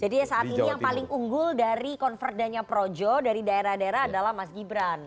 jadi ya saat ini yang paling unggul dari konverdanya projo dari daerah daerah adalah mas gibran